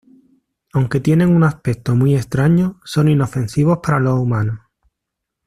Aunque tienen un aspecto muy extraño, son inofensivos para los humanos.